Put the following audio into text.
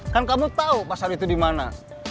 kan kamu tau pasar itu dimana